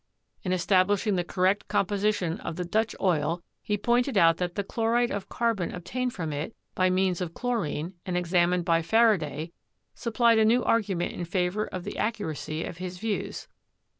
In establishing the correct composition of the Dutch oil he pointed out that the chloride of carbon ob tained from it by means of chlorine, and examined by Faraday, supplied a new argument in favor of the accu racy of his views.